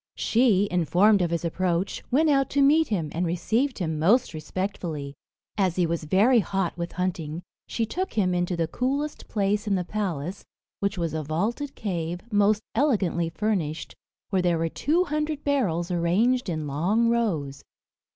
She, informed of his approach, went out to meet him, and received him most respectfully. As he was very hot with hunting, she took him into the coolest place in the palace, which was a vaulted cave, most elegantly furnished, where there were two hundred barrels arranged in long rows.